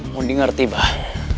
mundi ngerti mbah